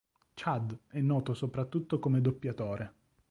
Chad è noto soprattutto come doppiatore.